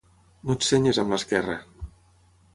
No et senyis amb l'esquerra.